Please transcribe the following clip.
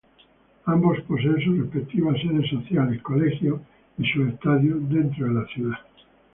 Ambos poseen sus respectivas sedes sociales, colegios y sus estadios dentro de la ciudad.